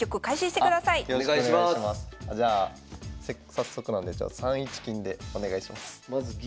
早速なんでじゃあ３一金でお願いします。